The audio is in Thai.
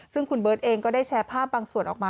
ซึ่งคุณเบิร์ตเองก็ได้แชร์ภาพบางส่วนออกมา